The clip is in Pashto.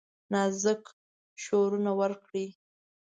نازک شورونه وکړي